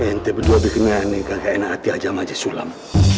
ente berdua bikinnya ini kagak enak hati aja maje sulam